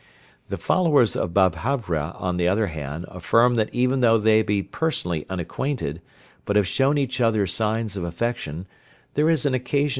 The followers of Babhravya on the other hand affirm that even though they be personally unacquainted, but have shown each other signs of affection there is an occasion for the employment of a go between.